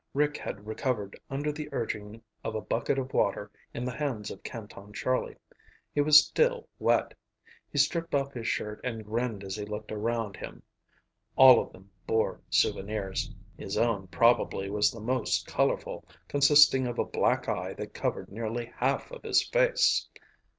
Rick had recovered under the urging of a bucket of water in the hands of Canton Charlie. He was still wet. He stripped off his shirt and grinned as he looked around him. All of them bore souvenirs. His own probably was the most colorful, consisting of a black eye that covered nearly half of his face.